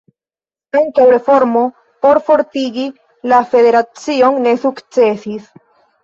Ankaŭ reformo por fortigi la federacion ne sukcesis.